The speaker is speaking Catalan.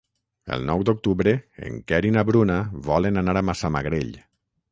El nou d'octubre en Quer i na Bruna volen anar a Massamagrell.